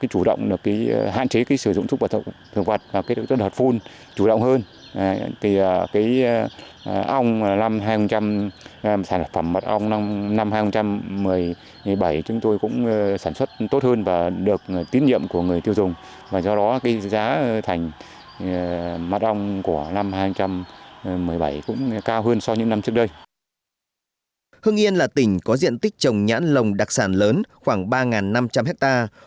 hương yên là tỉnh có diện tích trồng nhãn lồng đặc sản lớn khoảng ba năm trăm linh hectare